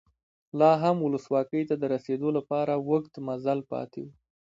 لا هم ولسواکۍ ته د رسېدو لپاره اوږد مزل پاتې و.